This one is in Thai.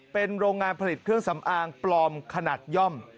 เป็นโรงงานผลิตเครื่องสำอางปลอมขนาดย่อม